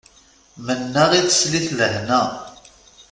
Mennaɣ i teslit lehna.